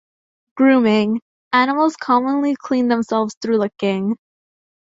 Grooming: Animals commonly clean themselves through licking.